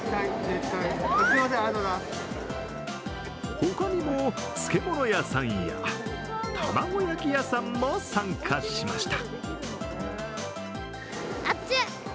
他にも、漬物屋さんや卵焼き屋さんも参加しました。